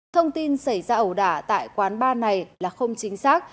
thông tin xảy ra ẩu đả tại quán bar này là không chính xác